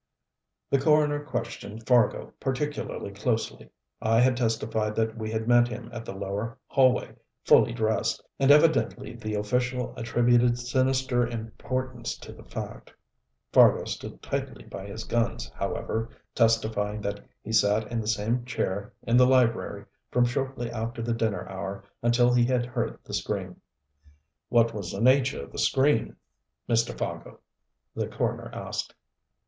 The coroner questioned Fargo particularly closely. I had testified that we had met him, at the lower hallway, fully dressed, and evidently the official attributed sinister importance to the fact. Fargo stood tightly by his guns, however, testifying that he sat in the same chair in the library from shortly after the dinner hour until he had heard the scream. "What was the nature of the scream, Mr. Fargo?" the coroner asked.